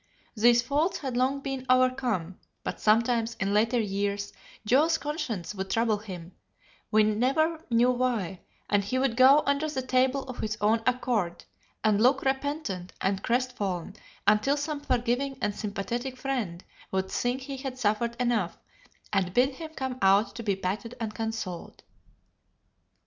These faults had long been overcome, but sometimes, in later years, Joe's conscience would trouble him, we never knew why, and he would go under the table of his own accord, and look repentant and crestfallen until some forgiving and sympathetic friend would think he had suffered enough and bid him come out to be patted and consoled.